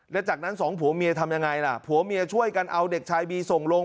แล้วจากนั้นสองผัวเมียทำยังไงล่ะผัวเมียช่วยกันเอาเด็กชายบีส่งลง